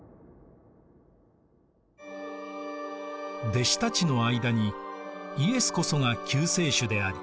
弟子たちの間に「イエスこそが救世主である」